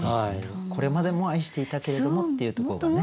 これまでも愛していたけれどもっていうところがね。